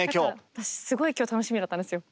私すごい今日楽しみだったんですよ。